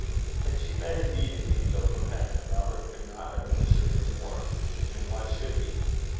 Had she been indeed an angel from heaven, Robert could not have worshipped her more. And why should he?